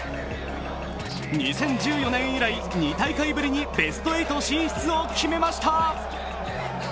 ２０１４年以来、２大会ぶりにベスト８進出を決めました。